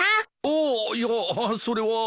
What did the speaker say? ああいやそれは。